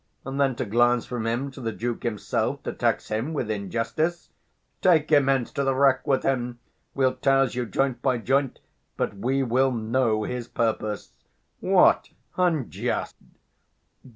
and then to glance from him To the Duke himself, to tax him with injustice? Take him hence; to the rack with him! We'll touse you Joint by joint, but we will know his purpose. 310 What, 'unjust'!